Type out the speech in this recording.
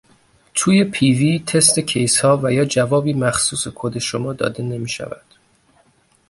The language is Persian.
توی پیوی تست کیس ها و یا جوابی مخصوص کد شما داده نمیشود